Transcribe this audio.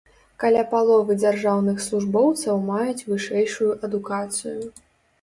Каля паловы дзяржаўных службоўцаў маюць вышэйшую адукацыю.